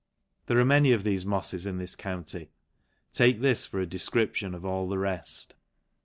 There are many of thefe mofles in this county : take this for a description of all the reft.